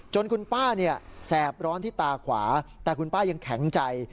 คุณป้าเนี่ยแสบร้อนที่ตาขวาแต่คุณป้ายังแข็งใจ